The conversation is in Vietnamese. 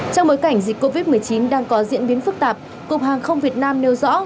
trong bối cảnh dịch covid một mươi chín đang có diễn biến phức tạp cục hàng không việt nam nêu rõ